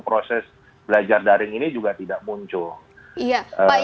proses belajar daring ini juga tidak muncul